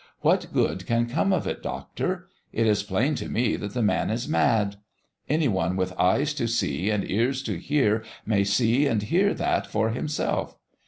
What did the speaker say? "What good can come of it, doctor? It is plain to me that the man is mad. Any one with eyes to see and ears to hear may see and hear that for himself.